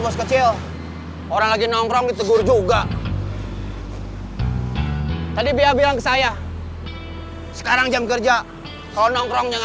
sampai jumpa di video selanjutnya